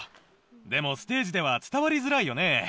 でもステージでは伝わりづらいよね。